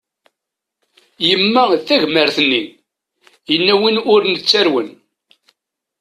Yemma d tagmert-nni, yenna win ur nettarwen.